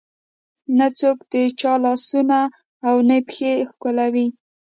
نه څوک د چا لاسونه او نه پښې ښکلوي.